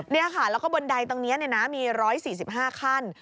เนี่ยค่ะแล้วก็บันไดตรงนี้เนี่ยนะมี๑๔๕ขั้น